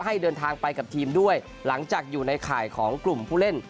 ให้เดินทางไปกับทีมด้วยหลังจากอยู่ในข่ายของกลุ่มผู้เล่น